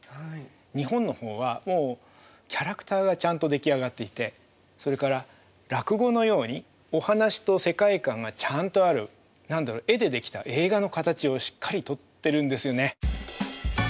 日本の方はもうキャラクターがちゃんと出来上がっていてそれから落語のようにお話と世界観がちゃんとある絵で出来た映画の形をしっかりとってるんですよね。